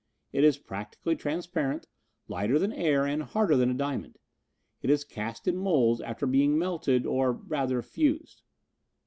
It is practically transparent, lighter than air and harder than a diamond. It is cast in moulds after being melted or, rather, fused.